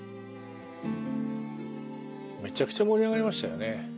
めちゃくちゃ盛り上がりましたよね。